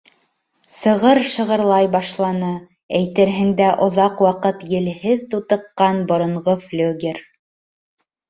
Сығыр шығырлай башланы, әйтерһең дә, оҙаҡ ваҡыт елһеҙ тутыҡҡан боронғо флюгер...